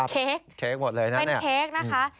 เป็นเค้กเป็นเค้กนะคะ